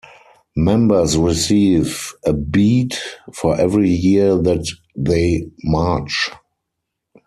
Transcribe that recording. Members receive a bead for every year that they march.